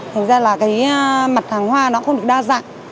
thành ra là cái mặt hàng hoa nó không được đa dạng